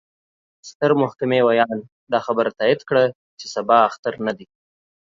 ستر محكمې وياند: دا خبره تايد کړه، چې سبا اختر نه دې.